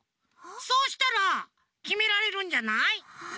そうしたらきめられるんじゃない？